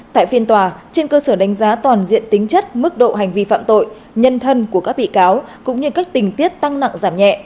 tại phiên tòa trên cơ sở đánh giá toàn diện tính chất mức độ hành vi phạm tội nhân thân của các bị cáo cũng như các tình tiết tăng nặng giảm nhẹ